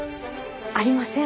ありません。